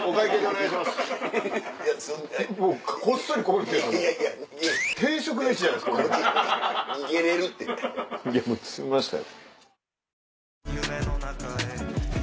いやもう詰みましたよ。